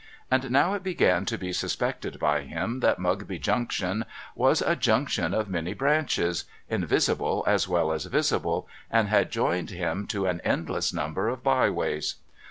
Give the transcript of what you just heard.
And now it began to be sus pected by him that Mugby Junction was a Junction of many branches, invisible as well as visible, and had joined him to an endless number of by ways.